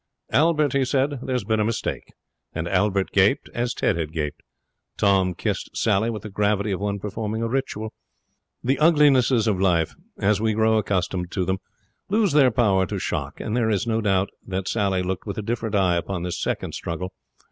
'Albert,' he said, 'there's been a mistake.' And Albert gaped, as Ted had gaped. Tom kissed Sally with the gravity of one performing a ritual. The uglinesses of life, as we grow accustomed to them, lose their power to shock, and there is no doubt that Sally looked with a different eye upon this second struggle.